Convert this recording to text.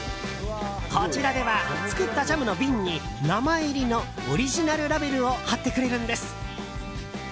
こちらでは作ったジャムの瓶に名前入りのオリジナルラベルを貼ってくれるんです。